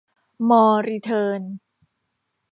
มอร์ รีเทิร์น